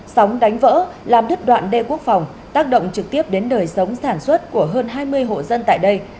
sóng đánh vỡ làm đứt đoạn đê quốc phòng tác động trực tiếp đến đời sống sản xuất của hơn hai mươi hộ dân tại đây